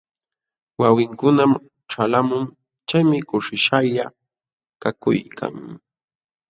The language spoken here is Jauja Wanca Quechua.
Wawinkunam ćhalqamun, chaymi kushishqalla kakuykan.